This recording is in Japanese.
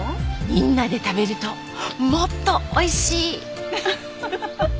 「みんなで食べるともっとおいしい」！